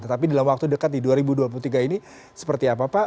tetapi dalam waktu dekat di dua ribu dua puluh tiga ini seperti apa pak